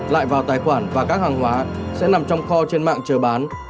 lại vào tài khoản và các hàng hóa sẽ nằm trong kho trên mạng chờ bán